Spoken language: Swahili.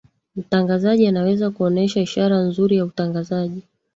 mtangazaji anaweza kuonesha ishara nzuri ya utangazaji